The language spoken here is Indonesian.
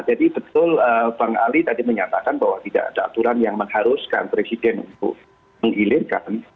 jadi betul bang ali tadi menyatakan bahwa tidak ada aturan yang mengharuskan presiden untuk menggilirkan